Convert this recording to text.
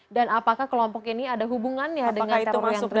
dan apakah kelompok ini ada hubungannya dengan teroris yang terus membaya